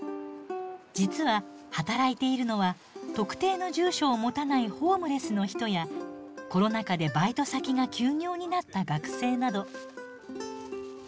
実は働いているのは特定の住所を持たないホームレスの人やコロナ禍でバイト先が休業になった学生など。